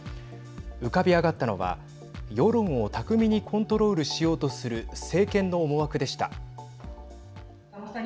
浮かび上がったのは世論を巧みにコントロールしようとする政権の思惑でした。